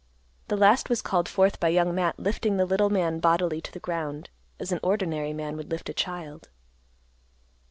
This last was called forth by Young Matt lifting the little man bodily to the ground, as an ordinary man would lift a child.